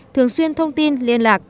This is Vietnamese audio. thường xuyên thông tin liên lạc